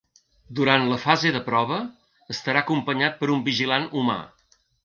Durant la fase de prova, estarà acompanyat per un vigilant humà.